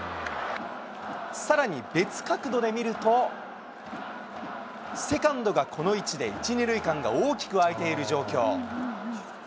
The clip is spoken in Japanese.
さらに別角度で見ると、セカンドがこの位置で１、２塁間が大きくあいている状況。